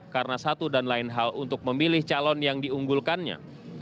karena satu dan lain hal untuk memilih calon yang diunggulkannya